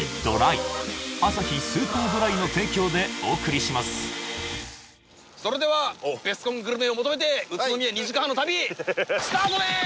察し早っそれではベスコングルメを求めて宇都宮２時間半の旅スタートです！